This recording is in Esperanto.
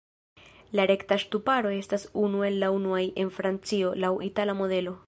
La rekta ŝtuparo estas unu el la unuaj en Francio, laŭ itala modelo.